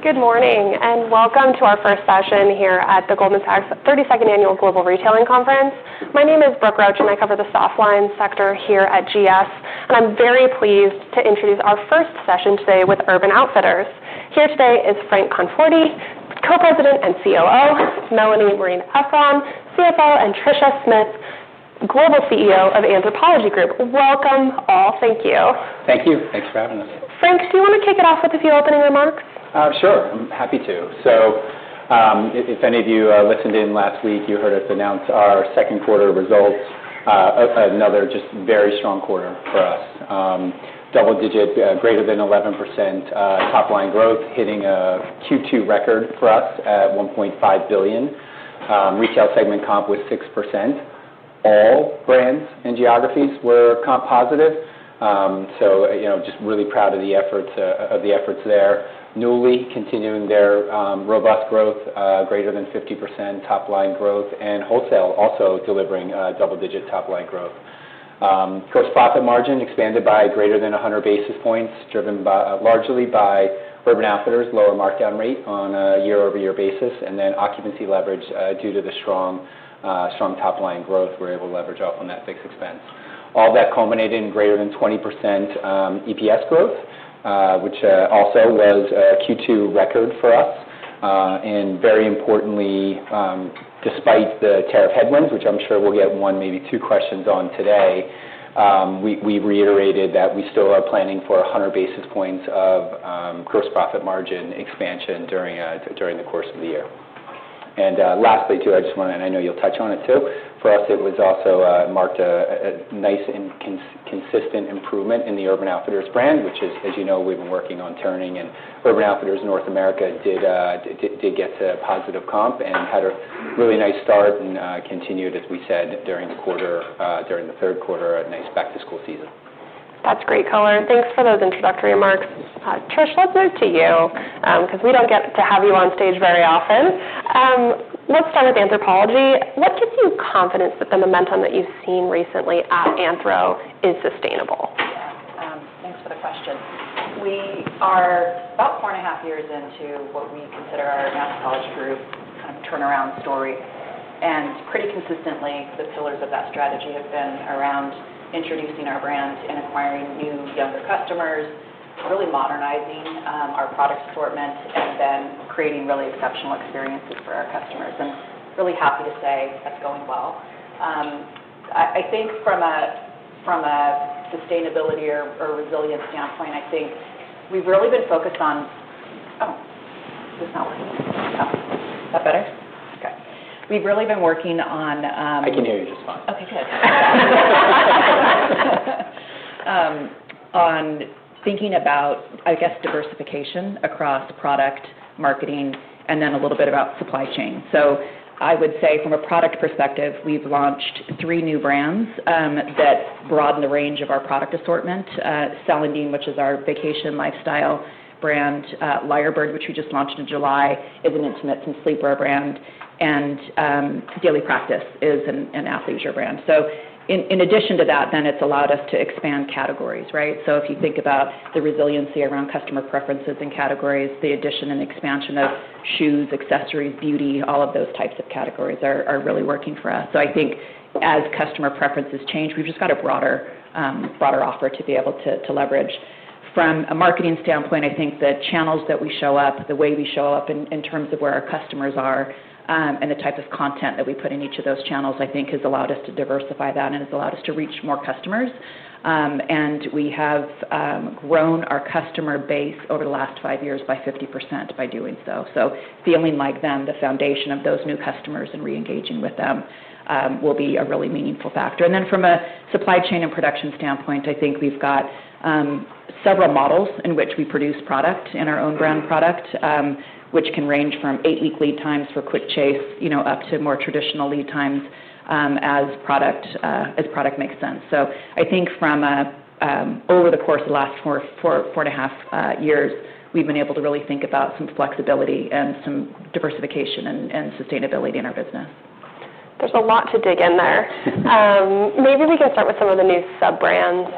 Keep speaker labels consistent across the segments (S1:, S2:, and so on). S1: Good morning and welcome to our first session here at the Goldman Sachs 32nd Annual Global Retailing Conference. My name is Brooke Roach, and I cover the soft line sector here at GS. I'm very pleased to introduce our first session today with Urban Outfitters. Here today is Frank Conforti, Co-President and COO, Melanie Marein-Efron, CFO, and Tricia Smith, Global CEO of Anthropologie Group. Welcome all. Thank you.
S2: Thank you. Thanks for having us.
S1: Frank, do you want to kick it off with a few opening remarks?
S2: Sure. I'm happy to. If any of you listened in last week, you heard us announce our second quarter results. Another just very strong quarter for us. Double digit, greater than 11% top-line growth, hitting a Q2 record for us at $1.5 billion. Retail segment comp was 6%. All brands and geographies were comp positive. I'm just really proud of the efforts there. Nuuly continuing their robust growth, greater than 50% top-line growth, and wholesale also delivering double digit top-line growth. Gross profit margin expanded by greater than 100 basis points, driven largely by Urban Outfitters' lower markdown rate on a year-over-year basis, and then occupancy leverage due to the strong top-line growth. We're able to leverage off on that fixed expense. All that culminated in greater than 20% EPS growth, which also was a Q2 record for us. Very importantly, despite the tariff headwinds, which I'm sure we'll get one, maybe two questions on today, we reiterated that we still are planning for 100 basis points of gross profit margin expansion during the course of the year. Lastly, I just want to, and I know you'll touch on it too, for us, it also marked a nice and consistent improvement in the Urban Outfitters brand, which, as you know, we've been working on turning, and Urban Outfitters North America did get to positive comp and had a really nice start and continued, as we said, during the quarter, during the third quarter, a nice back to school season.
S1: That's great color. Thanks for those introductory remarks. Tricia, let's move to you, because we don't get to have you on stage very often. Let's start with Anthropologie. What gives you confidence that the momentum that you've seen recently at Anthro is sustainable?
S3: Yeah, thanks for the question. We are about four and a half years into what we consider our Anthropologie Group kind of turnaround story. Pretty consistently, the pillars of that strategy have been around introducing our brand and acquiring new, younger customers, really modernizing our product assortment, and then creating really exceptional experiences for our customers. Really happy to say that's going well. I think from a sustainability or resilience standpoint, I think we've really been focused on, oh, is that one? Yeah. That better? Okay. We've really been working on,
S2: I can hear you just fine.
S3: Okay, good. On thinking about, I guess, diversification across product, marketing, and then a little bit about supply chain. I would say from a product perspective, we've launched three new brands that broaden the range of our product assortment. Celandine, which is our vacation lifestyle brand, LyreBird, which we just launched in July, it went into midst and sleepwear brand, and Daily Practice is an athleisure brand. In addition to that, it's allowed us to expand categories, right? If you think about the resiliency around customer preferences and categories, the addition and expansion of shoes, accessories, beauty, all of those types of categories are really working for us. I think as customer preferences change, we've just got a broader, broader offer to be able to leverage. From a marketing standpoint, I think the channels that we show up, the way we show up in terms of where our customers are, and the type of content that we put in each of those channels, I think has allowed us to diversify that and has allowed us to reach more customers. We have grown our customer base over the last five years by 50% by doing so. Feeling like the foundation of those new customers and re-engaging with them will be a really meaningful factor. From a supply chain and production standpoint, I think we've got several models in which we produce product in our own brand product, which can range from eight-week lead times for quick chase, up to more traditional lead times, as product makes sense. Over the course of the last four, four and a half years, we've been able to really think about some flexibility and some diversification and sustainability in our business.
S1: There's a lot to dig in there. Maybe we can start with some of the new sub-brands.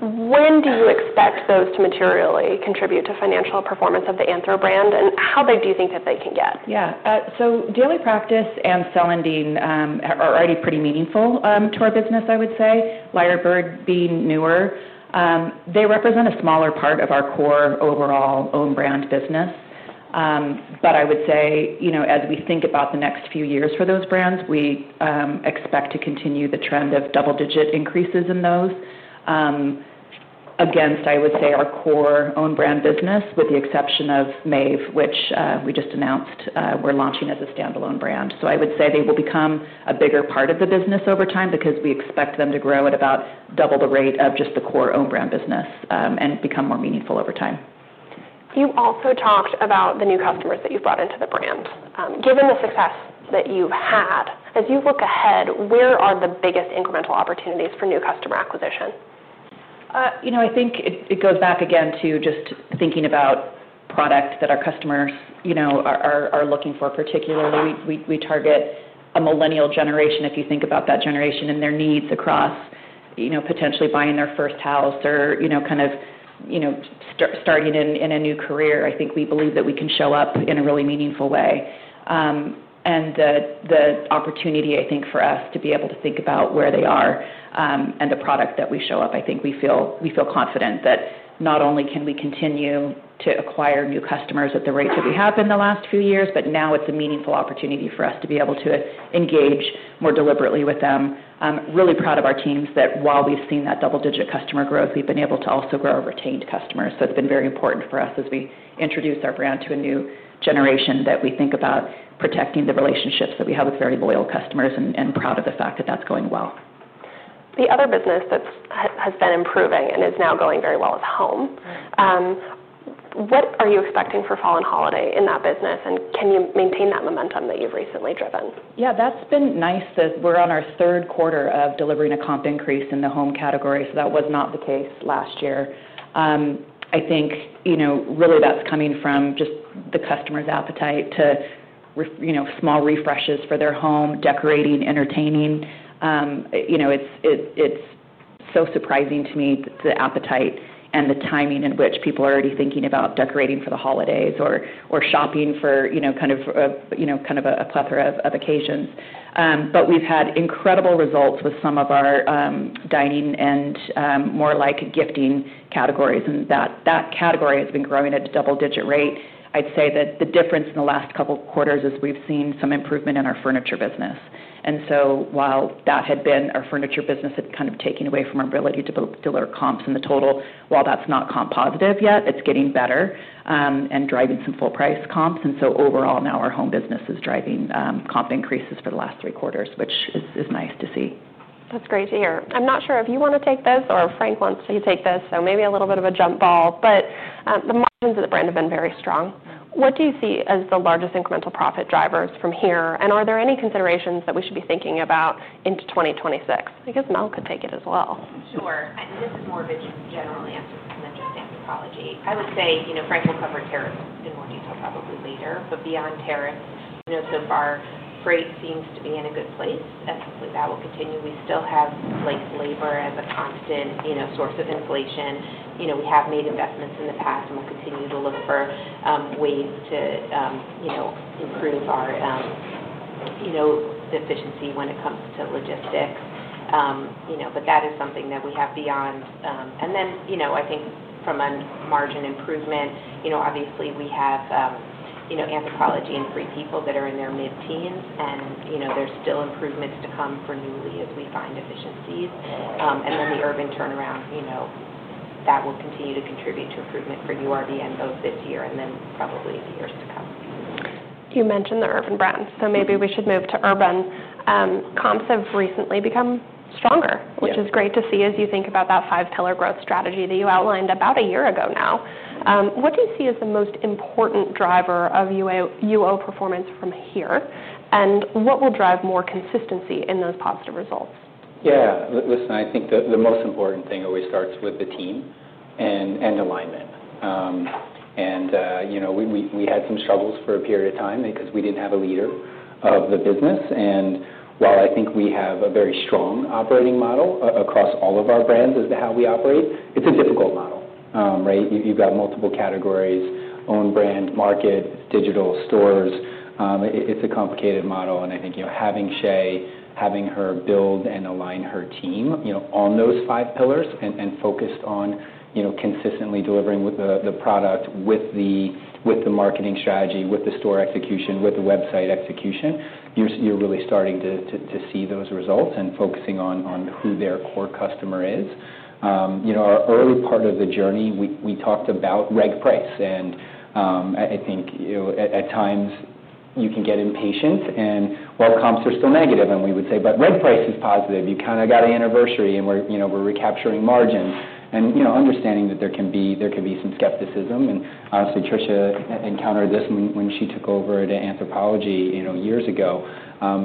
S1: When do you expect those to materially contribute to financial performance of the Anthro brand? How big do you think that they can get?
S3: Yeah, so Daily Practice and Celandine are already pretty meaningful to our business, I would say. LyreBird, being newer, they represent a smaller part of our core overall own-brand business. I would say, as we think about the next few years for those brands, we expect to continue the trend of double-digit increases in those, against our core own-brand business, with the exception of Maeve, which we just announced we're launching as a standalone brand. I would say they will become a bigger part of the business over time because we expect them to grow at about double the rate of just the core own-brand business and become more meaningful over time.
S1: You also talked about the new customers that you've brought into the brand. Given the success that you've had, as you look ahead, where are the biggest incremental opportunities for new customer acquisition?
S3: I think it goes back again to just thinking about product that our customers are looking for particularly. We target a millennial generation. If you think about that generation and their needs across potentially buying their first house or starting in a new career, I think we believe that we can show up in a really meaningful way. The opportunity, I think, for us to be able to think about where they are and the product that we show up, I think we feel confident that not only can we continue to acquire new customers at the rates that we have in the last few years, but now it's a meaningful opportunity for us to be able to engage more deliberately with them. Really proud of our teams that while we've seen that double-digit customer growth, we've been able to also grow retained customers. It's been very important for us as we introduce our brand to a new generation that we think about protecting the relationships that we have with very loyal customers and proud of the fact that that's going well.
S1: The other business that has been improving and is now going very well is Home. What are you expecting for fall and holiday in that business? Can you maintain that momentum that you've recently driven?
S3: Yeah, that's been nice as we're on our third quarter of delivering a comp increase in the home category. That was not the case last year. I think that's really coming from just the customer's appetite to small refreshes for their home, decorating, entertaining. It's so surprising to me the appetite and the timing in which people are already thinking about decorating for the holidays or shopping for kind of a plethora of occasions. We've had incredible results with some of our dining and more like gifting categories. That category has been growing at a double-digit rate. I'd say that the difference in the last couple of quarters is we've seen some improvement in our furniture business. While our furniture business had kind of taken away from our ability to deliver comps in the total, while that's not comp positive yet, it's getting better and driving some full-price comps. Overall, now our home business is driving comp increases for the last three quarters, which is nice to see.
S1: That's great to hear. I'm not sure if you want to take this or if Frank wants to take this, maybe a little bit of a jump ball, but the margins of the brand have been very strong. What do you see as the largest incremental profit drivers from here? Are there any considerations that we should be thinking about into 2026? I guess Mel could take it as well.
S4: Sure. The margin in general, the answer is kind of just Anthropologie. I would say, you know, Frank will cover tariffs in more detail probably later, but beyond tariffs, so far freight seems to be in a good place. Absolutely, that will continue. We still have labor as a constant source of inflation. We have made investments in the past and will continue to look for ways to improve our efficiency when it comes to logistics, but that is something that we have beyond. I think from a margin improvement, obviously we have Anthropologie and Free People that are in their mid-teens and there's still improvements to come for Nuuly as we find efficiencies. The Urban turnaround will continue to contribute to improvement for URBN both this year and probably the years to come.
S1: You mentioned the Urban brand, so maybe we should move to Urban. Comps have recently become stronger, which is great to see as you think about that five-pillar growth strategy that you outlined about a year ago now. What do you see as the most important driver of UO performance from here? What will drive more consistency in those positive results?
S2: Yeah, listen, I think the most important thing always starts with the team and alignment. You know, we had some struggles for a period of time because we didn't have a leader of the business. While I think we have a very strong operating model across all of our brands as to how we operate, it's a difficult model, right? You've got multiple categories, own brand, market, digital, stores. It's a complicated model. I think, you know, having Shea, having her build and align her team on those five pillars and focused on consistently delivering the product with the marketing strategy, with the store execution, with the website execution, you're really starting to see those results and focusing on who their core customer is. In our early part of the journey, we talked about reg price. I think, you know, at times you can get impatient and our comps are still negative. We would say, but reg price is positive. You kind of got an anniversary and we're recapturing margin. Understanding that there can be some skepticism. Honestly, Tricia encountered this when she took over at Anthropologie years ago.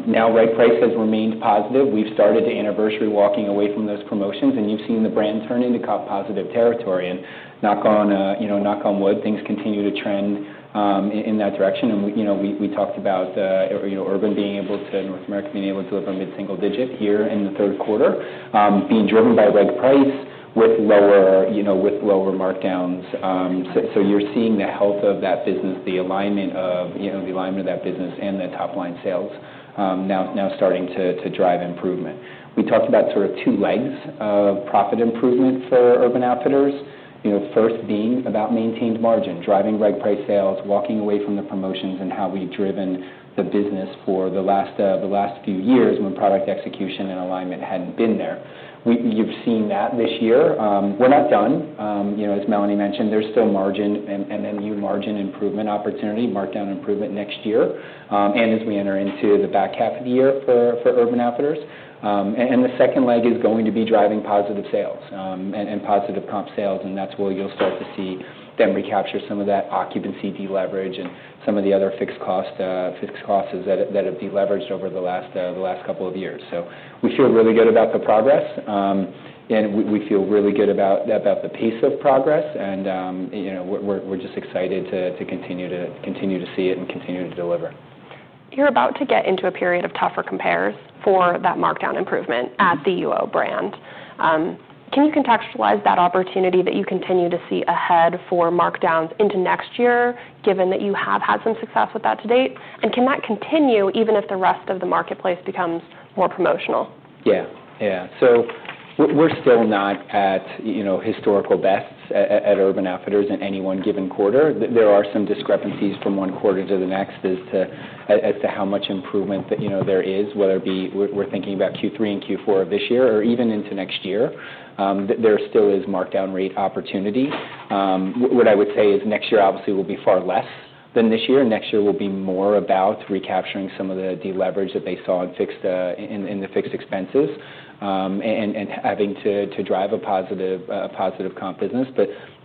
S2: Now reg price has remained positive. We've started the anniversary walking away from those promotions. You've seen the brand turn into comp positive territory. Knock on wood, things continue to trend in that direction. We talked about Urban being able to, North America being able to deliver mid-single digit here in the third quarter, being driven by reg price with lower markdowns. You're seeing the health of that business, the alignment of that business and the top line sales now starting to drive improvement. We talked about sort of two legs of profit improvement for Urban Outfitters. First being about maintained margin, driving reg price sales, walking away from the promotions and how we've driven the business for the last few years when product execution and alignment hadn't been there. You've seen that this year. We're not done. As Melanie mentioned, there's still margin and then new margin improvement opportunity, markdown improvement next year and as we enter into the back half of the year for Urban Outfitters. The second leg is going to be driving positive sales and positive comp sales. That's where you'll start to see them recapture some of that occupancy deleverage and some of the other fixed costs, fixed costs that have deleveraged over the last couple of years. We feel really good about the progress and we feel really good about the pace of progress. We're just excited to continue to see it and continue to deliver.
S1: You're about to get into a period of tougher compares for that markdown improvement at the UO brand. Can you contextualize that opportunity that you continue to see ahead for markdowns into next year, given that you have had some success with that to date? Can that continue even if the rest of the marketplace becomes more promotional?
S2: Yeah, yeah. We're still not at, you know, historical bests at Urban Outfitters in any one given quarter. There are some discrepancies from one quarter to the next as to how much improvement that, you know, there is, whether it be we're thinking about Q3 and Q4 of this year or even into next year. There still is markdown rate opportunity. What I would say is next year obviously will be far less than this year, and next year will be more about recapturing some of the deleverage that they saw in fixed expenses and having to drive a positive comp business.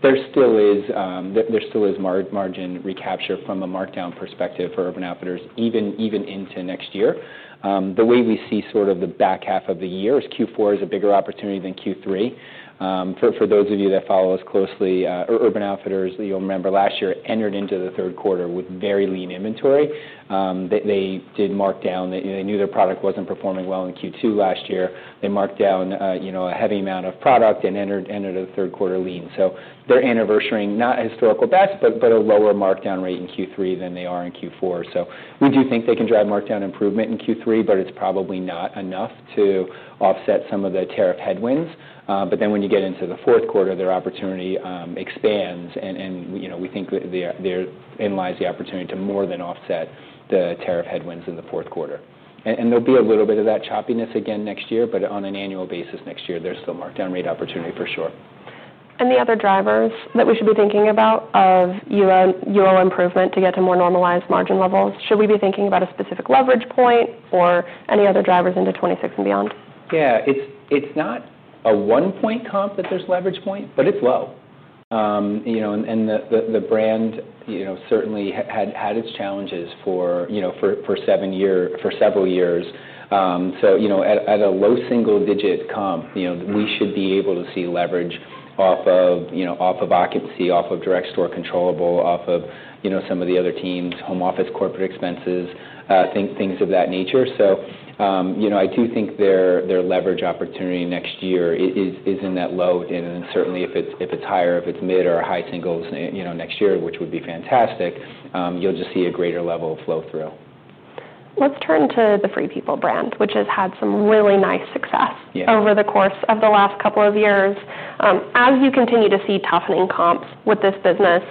S2: There still is, there still is margin recapture from a markdown perspective for Urban Outfitters even into next year. The way we see sort of the back half of the year is Q4 is a bigger opportunity than Q3. For those of you that follow us closely, or Urban Outfitters, you'll remember last year entered into the third quarter with very lean inventory. They did mark down that they knew their product wasn't performing well in Q2 last year. They marked down, you know, a heavy amount of product and entered a third quarter lean. They're anniversaring, not historical best, but a lower markdown rate in Q3 than they are in Q4. We do think they can drive markdown improvement in Q3, but it's probably not enough to offset some of the tariff headwinds. When you get into the fourth quarter, their opportunity expands, and, you know, we think they analyze the opportunity to more than offset the tariff headwinds in the fourth quarter. There'll be a little bit of that choppiness again next year, but on an annual basis next year, there's still markdown rate opportunity for sure.
S1: Are the other drivers that we should be thinking about for UO improvement to get to more normalized margin levels, should we be thinking about a specific leverage point or any other drivers into 2026 and beyond?
S2: Yeah, it's not a one-point comp that there's leverage point, but it's low. The brand certainly had its challenges for several years. At a low single-digit comp, we should be able to see leverage off of occupancy, off of direct store controllable, off of some of the other teams, home office, corporate expenses, things of that nature. I do think their leverage opportunity next year is in that low. Certainly, if it's higher, if it's mid or high singles next year, which would be fantastic, you'll just see a greater level of flow through.
S1: Let's turn to the Free People brand, which has had some really nice success over the course of the last couple of years. As you continue to see toughening comps with this business,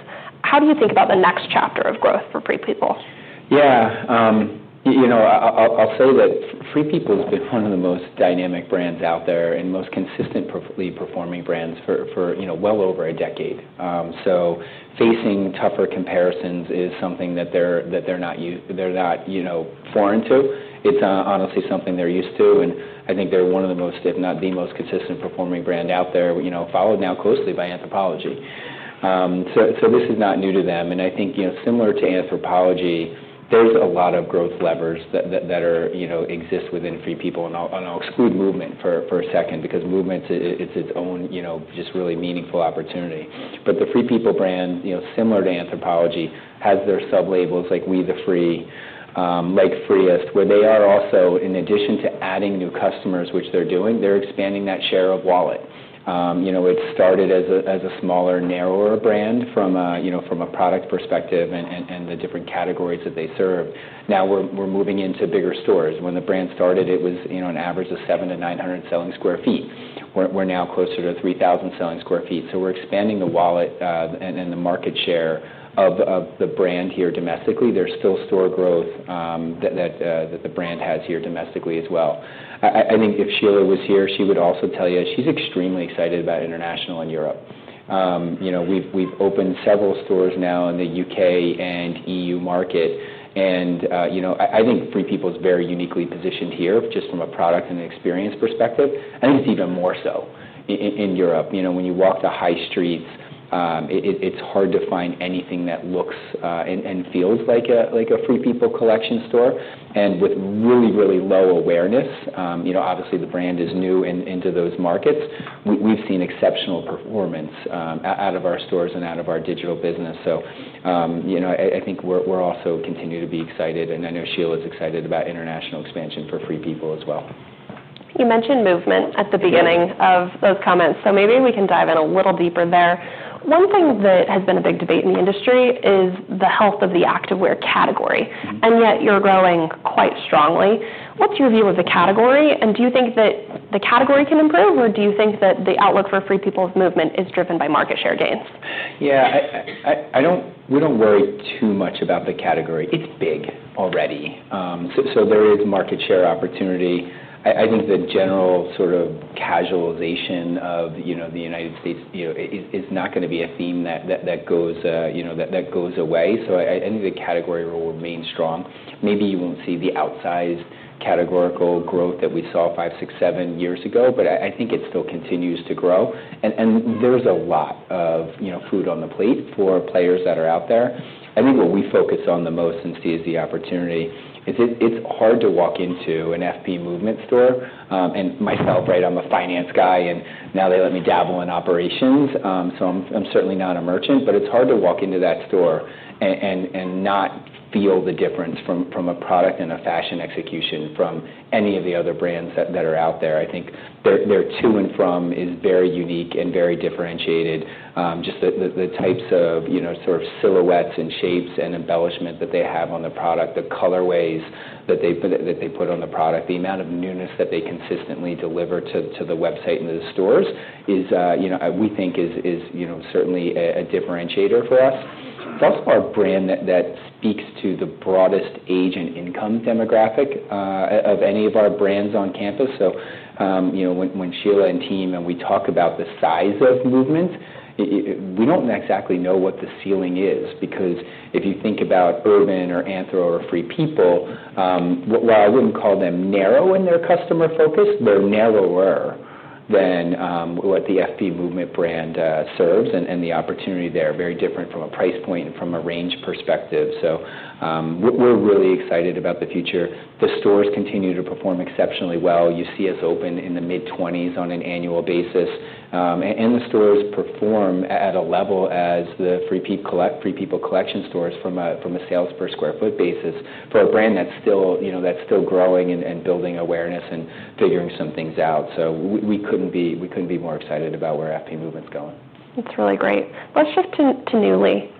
S1: how do you think about the next chapter of growth for Free People?
S2: Yeah, you know, I'll say that Free People has been one of the most dynamic brands out there and most consistently performing brands for, you know, well over a decade. Facing tougher comparisons is something that they're not, you know, foreign to. It's honestly something they're used to. I think they're one of the most, if not the most, consistently performing brand out there, followed now closely by Anthropologie. This is not new to them. I think, you know, similar to Anthropologie, there's a lot of growth levers that exist within Free People. I'll exclude Movement for a second because Movement, it's its own just really meaningful opportunity. The Free People brand, similar to Anthropologie, has their sub-labels like We The Free, like Freelist, where they are also, in addition to adding new customers, which they're doing, they're expanding that share of wallet. It started as a smaller, narrower brand from a product perspective and the different categories that they serve. Now we're moving into bigger stores. When the brand started, it was an average of 700 sq ft-900 sq ft selling. We're now closer to 3,000 sq ft selling. We're expanding the wallet and the market share of the brand here domestically. There's still store growth that the brand has here domestically as well. I think if Sheila was here, she would also tell you she's extremely excited about international and Europe. We've opened several stores now in the U.K. and EU market. I think Free People is very uniquely positioned here just from a product and an experience perspective. I think it's even more so in Europe. When you walk the high streets, it's hard to find anything that looks and feels like a Free People collection store. With really, really low awareness, obviously the brand is new into those markets. We've seen exceptional performance out of our stores and out of our digital business. I think we're also continuing to be excited. I know Sheila is excited about international expansion for Free People as well.
S1: You mentioned movement at the beginning of those comments. Maybe we can dive in a little deeper there. One thing that has been a big debate in the industry is the health of the activewear category, yet you're growing quite strongly. What's your view of the category? Do you think that the category can improve? Do you think that the outlook for Free People’s Movement is driven by market share gains?
S2: Yeah, I don't, we don't worry too much about the category. It's big already. There is market share opportunity. I think the general sort of casualization of, you know, the United States, you know, is not going to be a theme that goes away. I think the category will remain strong. Maybe you won't see the outsized categorical growth that we saw five, six, seven years ago, but I think it still continues to grow. There's a lot of, you know, food on the plate for players that are out there. I think what we focus on the most and see is the opportunity. It's hard to walk into an FP Movement store. Myself, right, I'm a finance guy and now they let me dabble in operations. I'm certainly not a merchant, but it's hard to walk into that store and not feel the difference from a product and a fashion execution from any of the other brands that are out there. I think their to and from is very unique and very differentiated. Just the types of, you know, sort of silhouettes and shapes and embellishments that they have on the product, the colorways that they put on the product, the amount of newness that they consistently deliver to the website and the stores is, you know, we think is, you know, certainly a differentiator for us. That's our brand that speaks to the broadest age and income demographic of any of our brands on campus. When Sheila and team and we talk about the size of movements, we don't exactly know what the ceiling is because if you think about Urban or Anthro or Free People, while I wouldn't call them narrow in their customer focus, they're narrower than what the FP Movement brand serves. The opportunity there is very different from a price point and from a range perspective. We're really excited about the future. The stores continue to perform exceptionally well. You see us open in the mid-20s percent on an annual basis, and the stores perform at a level as the Free People collection stores from a sales per square foot basis for a brand that's still, you know, that's still growing and building awareness and figuring some things out. We couldn't be, we couldn't be more excited about where FP Movement's going.
S1: That's really great. Let's shift to Nuuly.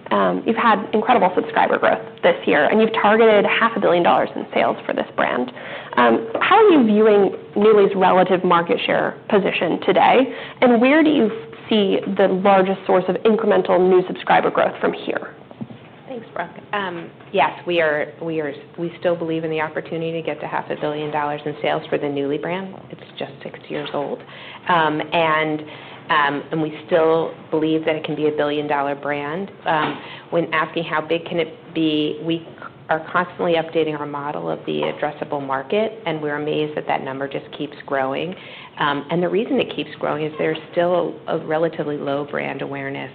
S1: You've had incredible subscriber growth this year, and you've targeted $500 million in sales for this brand. How are you viewing Nuuly's relative market share position today? Where do you see the largest source of incremental new subscriber growth from here?
S4: Thanks, Brooke. Yes, we are, we still believe in the opportunity to get to $500 million in sales for the Nuuly brand. It's just six years old, and we still believe that it can be a billion-dollar brand. When asking how big can it be, we are constantly updating our model of the addressable market, and we're amazed that that number just keeps growing. The reason it keeps growing is there's still a relatively low brand awareness,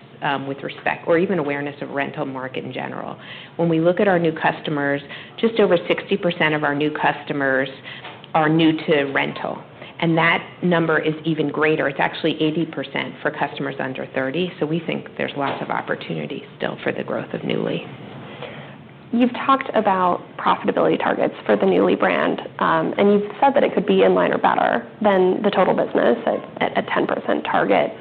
S4: with respect or even awareness of rental market in general. When we look at our new customers, just over 60% of our new customers are new to rental. That number is even greater. It's actually 80% for customers under 30 years old. We think there's lots of opportunity still for the growth of Nuuly.
S1: You've talked about profitability targets for the Nuuly brand, and you've said that it could be in line or better than the total business at a 10% target.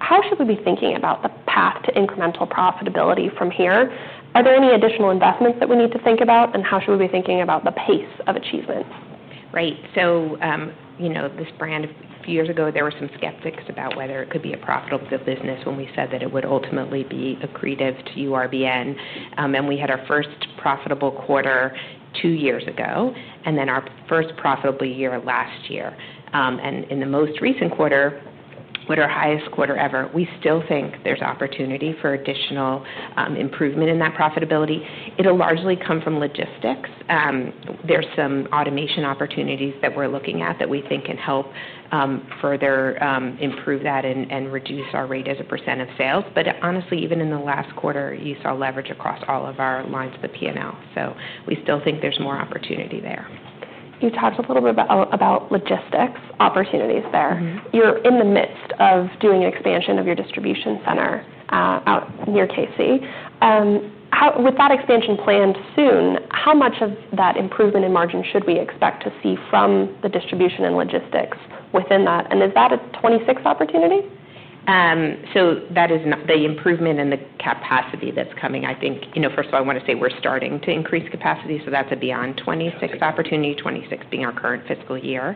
S1: How should we be thinking about the path to incremental profitability from here? Are there any additional investments that we need to think about? How should we be thinking about the pace of achievement?
S4: Right. This brand, a few years ago, there were some skeptics about whether it could be a profitable business when we said that it would ultimately be accretive to URBN. We had our first profitable quarter two years ago, and then our first profitable year last year. In the most recent quarter, which was our highest quarter ever, we still think there's opportunity for additional improvement in that profitability. It'll largely come from logistics. There's some automation opportunities that we're looking at that we think can help further improve that and reduce our rate as a % of sales. Honestly, even in the last quarter, you saw leverage across all of our lines of the P&L. We still think there's more opportunity there.
S1: You talked a little bit about logistics opportunities there. You're in the midst of doing an expansion of your distribution center out near KC. With that expansion planned soon, how much of that improvement in margin should we expect to see from the distribution and logistics within that? Is that a 2026 opportunity?
S4: That is the improvement in the capacity that's coming. First of all, I want to say we're starting to increase capacity. That's a beyond 2026 opportunity, 2026 being our current fiscal year.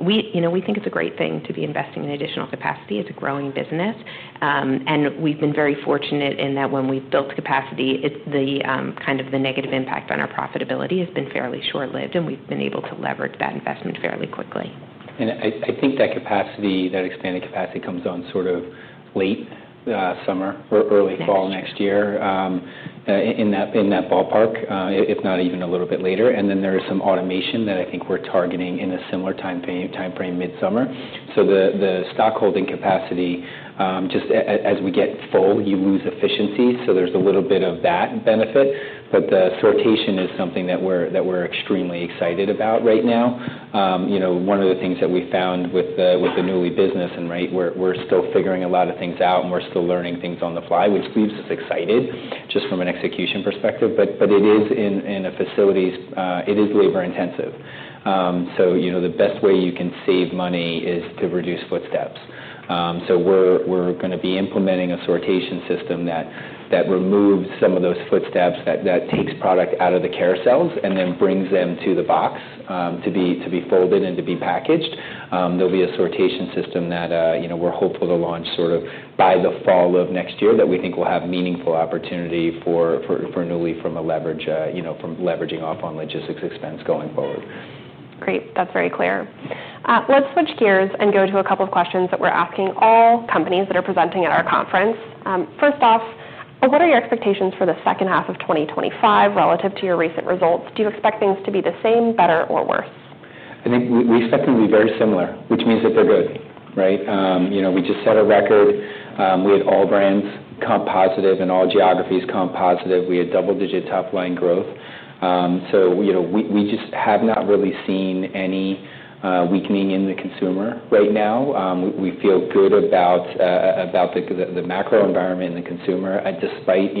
S4: We think it's a great thing to be investing in additional capacity. It's a growing business, and we've been very fortunate in that when we've built capacity, the negative impact on our profitability has been fairly short-lived, and we've been able to leverage that investment fairly quickly.
S2: I think that capacity, that expanded capacity comes on sort of late summer or early fall next year, in that ballpark, if not even a little bit later. There's some automation that I think we're targeting in a similar timeframe, midsummer. The stock holding capacity, just as we get full, you lose efficiency, so there's a little bit of that benefit. The sortation is something that we're extremely excited about right now. One of the things that we found with the Nuuly business, and we're still figuring a lot of things out and we're still learning things on the fly, which leaves us excited just from an execution perspective, is in facilities, it is labor intensive. The best way you can save money is to reduce footsteps. We're going to be implementing a sortation system that removes some of those footsteps, that takes product out of the carousels and then brings them to the box to be folded and to be packaged. There'll be a sortation system that we're hopeful to launch by the fall of next year that we think will have meaningful opportunity for Nuuly from leveraging off on logistics expense going forward.
S1: Great. That's very clear. Let's switch gears and go to a couple of questions that we're asking all companies that are presenting at our conference. First off, what are your expectations for the second half of 2025 relative to your recent results? Do you expect things to be the same, better, or worse?
S2: I think we expect them to be very similar, which means that they're good, right? You know, we just set a record. We had all brands comp positive and all geographies comp positive. We had double-digit top-line growth. You know, we just have not really seen any weakening in the consumer right now. We feel good about the macro environment and the consumer, despite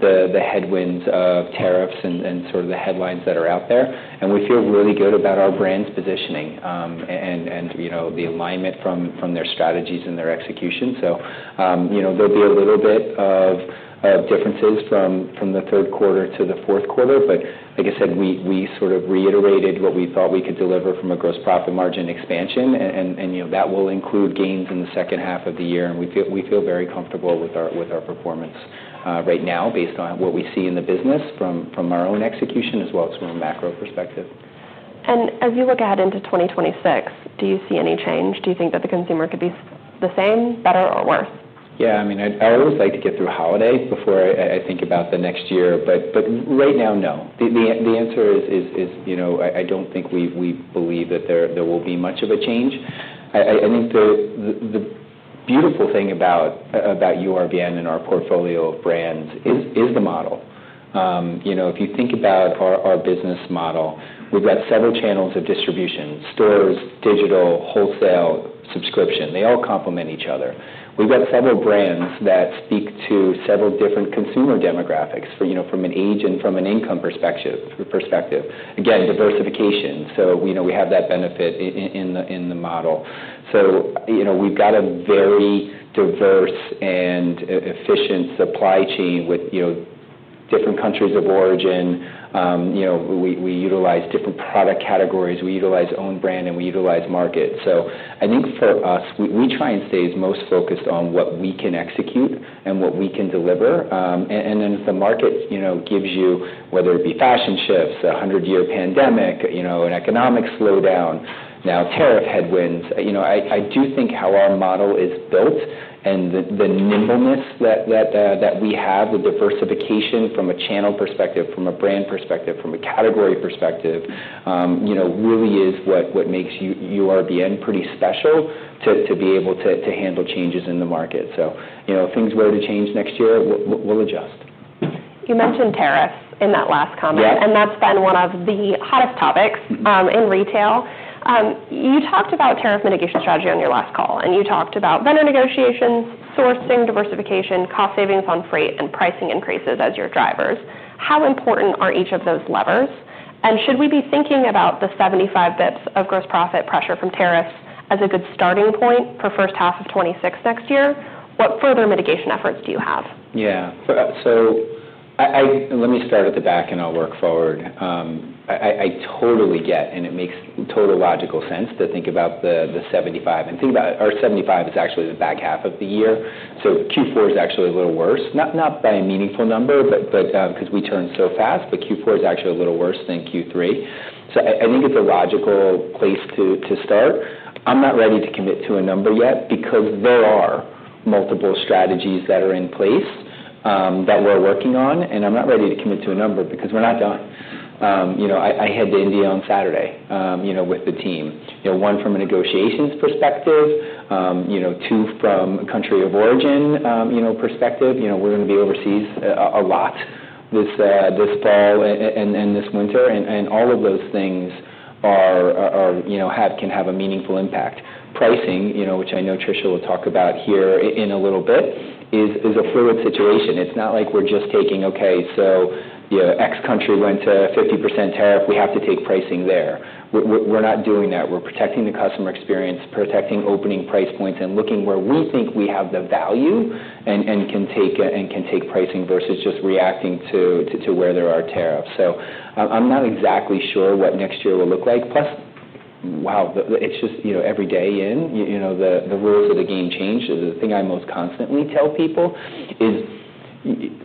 S2: the headwinds of tariffs and sort of the headlines that are out there. We feel really good about our brands' positioning and the alignment from their strategies and their execution. There will be a little bit of differences from the third quarter to the fourth quarter. Like I said, we sort of reiterated what we thought we could deliver from a gross margin expansion, and that will include gains in the second half of the year. We feel very comfortable with our performance right now based on what we see in the business from our own execution as well as from a macro perspective.
S1: As you look ahead into 2026, do you see any change? Do you think that the consumer could be the same, better, or worse?
S2: Yeah, I mean, I always like to get through holiday before I think about the next year. Right now, no. The answer is, you know, I don't think we believe that there will be much of a change. I think the beautiful thing about URBN and our portfolio of brands is the model. You know, if you think about our business model, we've got several channels of distribution: stores, digital, wholesale, subscription. They all complement each other. We've got several brands that speak to several different consumer demographics from an age and from an income perspective. Again, diversification. We have that benefit in the model. We've got a very diverse and efficient supply chain with different countries of origin. We utilize different product categories. We utilize own brand and we utilize market. I think for us, we try and stay as most focused on what we can execute and what we can deliver. As the markets give you, whether it be fashion shifts, a hundred-year pandemic, an economic slowdown, now tariff headwinds, I do think how our model is built and the nimbleness that we have, the diversification from a channel perspective, from a brand perspective, from a category perspective, really is what makes URBN pretty special to be able to handle changes in the market. If things were to change next year, we'll adjust.
S1: You mentioned tariffs in that last comment, and that's been one of the hottest topics in retail. You talked about tariff mitigation strategy on your last call, and you talked about vendor negotiations, sourcing diversification, cost savings on freight, and pricing increases as your drivers. How important are each of those levers? Should we be thinking about the 75 basis points of gross profit pressure from tariffs as a good starting point for the first half of 2026 next year? What further mitigation efforts do you have?
S2: Let me start at the back and I'll work forward. I totally get, and it makes total logical sense to think about the 75 basis points and think about our 75 basis points as actually the back half of the year. Q4 is actually a little worse, not by a meaningful number, but because we churn so fast, Q4 is actually a little worse than Q3. I think it's a logical place to start. I'm not ready to commit to a number yet because there are multiple strategies that are in place that we're working on. I'm not ready to commit to a number because we're not done. I head to India on Saturday with the team, one from a negotiations perspective, two from a country of origin perspective. We're going to be overseas a lot this fall and this winter. All of those things can have a meaningful impact. Pricing, which I know Tricia will talk about here in a little bit, is a fluid situation. It's not like we're just taking, okay, so X country went to 50% tariff, we have to take pricing there. We're not doing that. We're protecting the customer experience, protecting opening price points, and looking where we think we have the value and can take pricing versus just reacting to where there are tariffs. I'm not exactly sure what next year will look like. Plus, wow, it's just, every day the rules of the game change. The thing I most constantly tell people is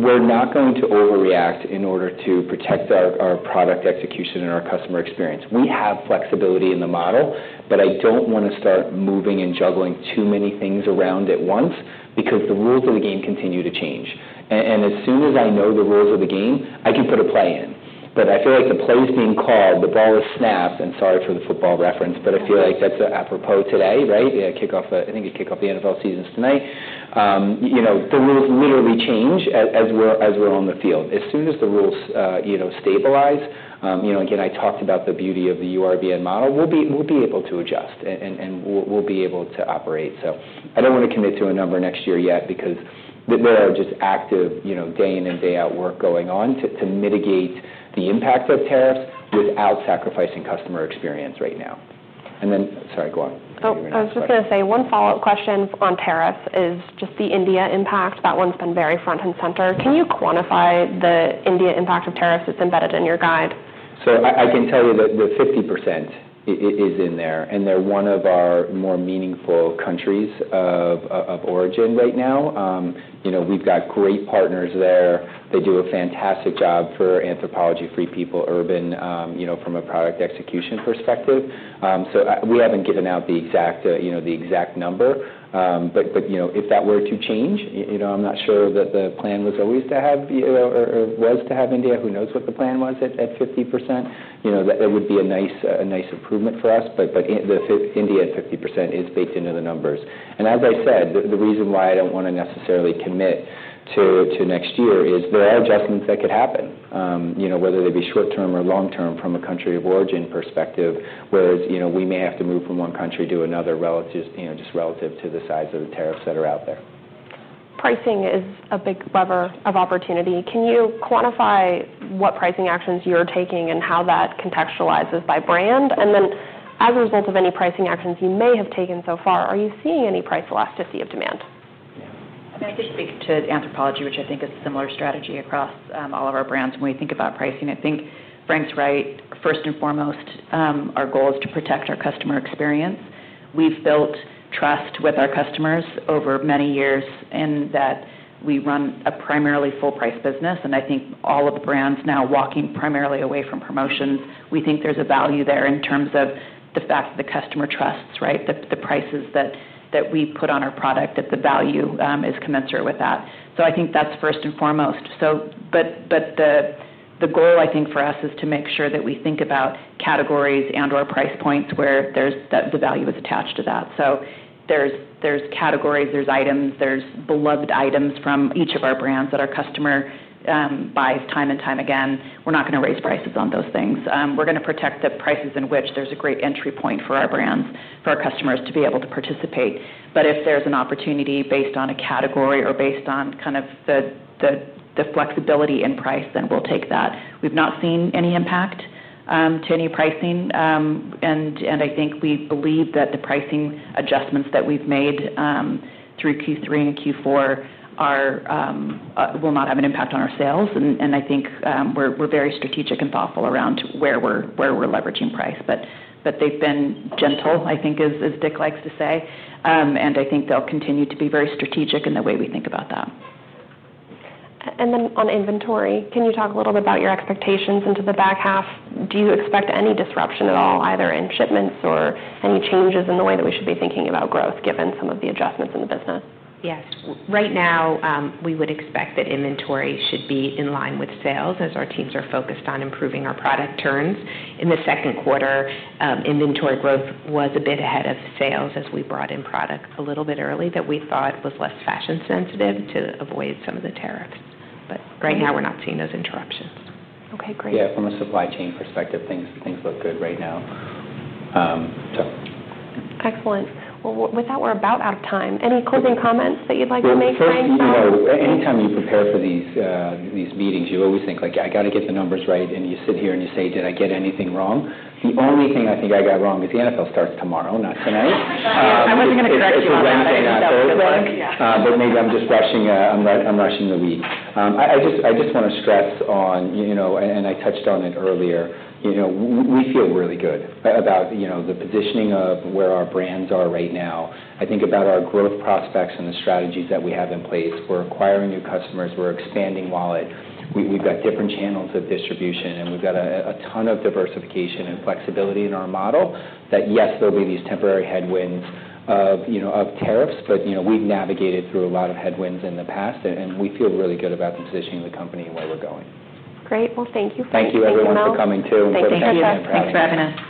S2: we're not going to overreact in order to protect our product execution and our customer experience. We have flexibility in the model, but I don't want to start moving and juggling too many things around at once because the rules of the game continue to change. As soon as I know the rules of the game, I can put a play in. I feel like the play's been called, the ball is snapped, and sorry for the football reference, but I feel like that's apropos today, right? Kickoff, I think it kicks off the NFL season tonight. The rules literally change as we're on the field. As soon as the rules stabilize, again, I talked about the beauty of the URBN model. We'll be able to adjust and we'll be able to operate. I don't want to commit to a number next year yet because there are just active, day in and day out work going on to mitigate the impacts of tariffs without sacrificing customer experience right now. Sorry, go on.
S1: I was just going to say, one follow-up question on tariffs is just the India impact. That one's been very front and center. Can you quantify the India impact of tariffs that's embedded in your guide?
S2: I can tell you that the 50% is in there, and they're one of our more meaningful countries of origin right now. We've got great partners there. They do a fantastic job for Anthropologie, Free People, Urban, you know, from a product execution perspective. We haven't given out the exact number, but if that were to change, I'm not sure that the plan was always to have, or was to have India, who knows what the plan was at 50%. That would be a nice improvement for us. The India at 50% is baked into the numbers. As I said, the reason why I don't want to necessarily commit to next year is there are adjustments that could happen, whether they be short-term or long-term from a country of origin perspective, whereas we may have to move from one country to another relative to the size of the tariffs that are out there.
S1: Pricing is a big lever of opportunity. Can you quantify what pricing actions you're taking and how that contextualizes by brand? As a result of any pricing actions you may have taken so far, are you seeing any price elasticity of demand?
S3: I can speak to Anthropologie, which I think is a similar strategy across all of our brands. When we think about pricing, I think Frank's right. First and foremost, our goal is to protect our customer experience. We've built trust with our customers over many years in that we run a primarily full-price business. I think all of the brands now walking primarily away from promotions, we think there's a value there in terms of the fact that the customer trusts, right? The prices that we put on our product, that the value is commensurate with that. I think that's first and foremost. The goal, I think, for us is to make sure that we think about categories and/or price points where the value is attached to that. There are categories, there are items, there are beloved items from each of our brands that our customer buys time and time again. We're not going to raise prices on those things. We're going to protect the prices in which there's a great entry point for our brands, for our customers to be able to participate. If there's an opportunity based on a category or based on kind of the flexibility in price, then we'll take that. We've not seen any impact to any pricing. I think we believe that the pricing adjustments that we've made through Q3 and Q4 will not have an impact on our sales. I think we're very strategic and thoughtful around where we're leveraging price. They've been gentle, I think, as Dick likes to say. I think they'll continue to be very strategic in the way we think about that.
S1: On inventory, can you talk a little bit about your expectations into the back half? Do you expect any disruption at all, either in shipments or any changes in the way that we should be thinking about growth given some of the adjustments in the business?
S3: Yes. Right now, we would expect that inventory should be in line with sales as our teams are focused on improving our product turns. In the second quarter, inventory growth was a bit ahead of sales as we brought in product a little bit early that we thought was less fashion sensitive to avoid some of the tariffs. Right now, we're not seeing those interruptions.
S1: Okay, great.
S2: Yeah, from a supply chain perspective, things look good right now.
S1: Excellent. With that, we're about out of time. Any closing comments that you'd like to make, Frank?
S2: Anytime you prepare for these meetings, you always think like, I got to get the numbers right. You sit here and you say, did I get anything wrong? The only thing I think I got wrong is the NFL starts tomorrow, not tonight.
S3: I wasn't going to correct you on that.
S2: I just want to stress on, you know, and I touched on it earlier, we feel really good about, you know, the positioning of where our brands are right now. I think about our growth prospects and the strategies that we have in place. We're acquiring new customers, we're expanding wallet, we've got different channels of distribution, and we've got a ton of diversification and flexibility in our model. Yes, there'll be these temporary headwinds of tariffs, but we've navigated through a lot of headwinds in the past, and we feel really good about the positioning of the company and where we're going.
S1: Great. Thank you, Frank.
S2: Thank you, everyone, for coming too.
S3: Thank you. Thanks for having us.